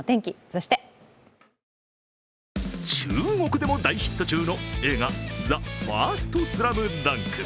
そして中国でも大ヒット中の「ＳＬＡＭＤＵＮＫ」の「ＴＨＥＦＩＲＳＴＳＬＡＭＤＵＮＫ」。